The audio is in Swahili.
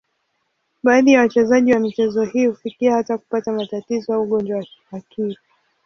Baadhi ya wachezaji wa michezo hii hufikia hata kupata matatizo au ugonjwa wa akili.